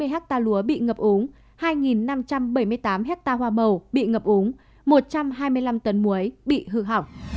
bảy trăm bốn mươi hecta lúa bị ngập uống hai năm trăm bảy mươi tám hecta hoa màu bị ngập uống một trăm hai mươi năm tấn muối bị hư hỏng